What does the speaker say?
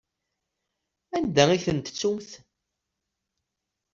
Anda ay tent-tettumt?